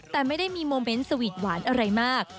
แต่ไม่ได้มีโมเมนต์สวีทหวานอะไรมาก